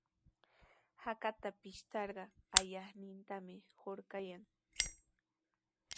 Hakata pishtarqa ayaqnintami hurqayan.